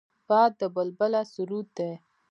باد د بلبله سرود دی